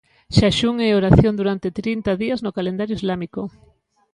Xaxún e oración durante trinta días no calendario islámico.